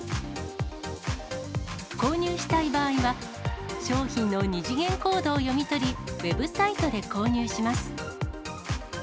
購入したい場合は、商品の２次元コードを読み取り、ウェブサイトで購入します。